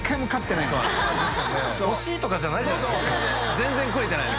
全然食えてないの。